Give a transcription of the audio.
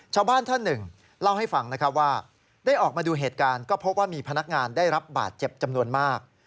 ชาวบ้านท่านหนึ่งเล่าให้ฟังนะครับว่าได้ออกมาดูเหตุการณ์ก็พบว่ามีพนักงานได้รับบาดเจ็บจำนวนมาก